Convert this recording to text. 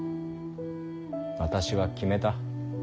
私は決めた。